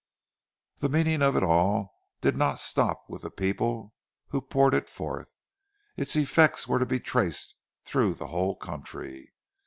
The meaning of it all did not stop with the people who poured it forth; its effects were to be traced through the whole country.